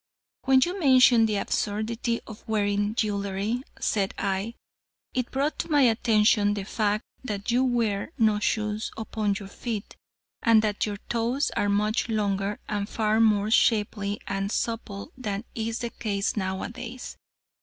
"When you mentioned the absurdity of wearing jewelry," said I, "it brought to my attention the fact that you wear no shoes upon your feet, and that your toes are much longer and far more shapely and supple than is the case nowadays."